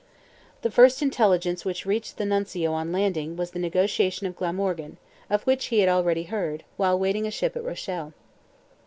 The first intelligence which reached the Nuncio on landing, was the negotiation of Glamorgan, of which he had already heard, while waiting a ship at Rochelle.